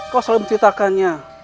kau selalu menceritakannya